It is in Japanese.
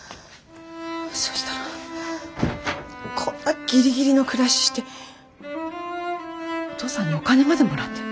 そしたらこんなギリギリの暮らししてお父さんにお金までもらってる。